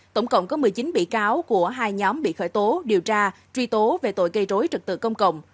tổng cộng có một mươi chín bị cáo của hai nhóm bị khởi tố điều tra truy tố về tội gây rối trật tự công cộng